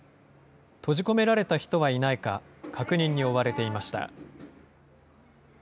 閉じ込められた人はいないか、確認に追われていました。